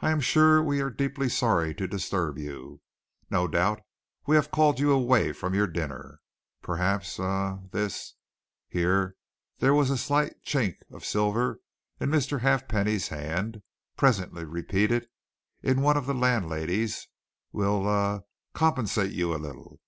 "I am sure we are deeply sorry to disturb you no doubt we have called you away from your dinner. Perhaps, er, this" here there was a slight chink of silver in Mr. Halfpenny's hand, presently repeated in one of the landlady's "will, er, compensate you a little?